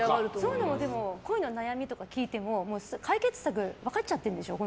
そういうの恋の悩みとか聞いてももう、解決策分かっちゃってるんでしょ